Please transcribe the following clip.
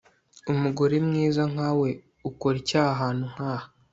Umugore mwiza nkawe ukora iki ahantu nkaha